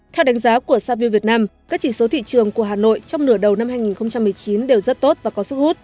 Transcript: theo đánh giá của saville việt nam các chỉ số thị trường của hà nội trong nửa đầu năm hai nghìn một mươi chín đều rất tốt và có sức hút